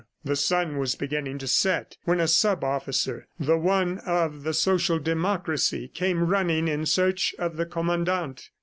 The sun was beginning to set when a sub officer, the one of the Social Democracy, came running in search of the Commandant.